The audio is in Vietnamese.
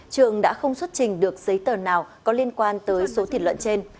trường đã không xuất trình được giấy tờ nào có liên quan tới số thịt lợn trên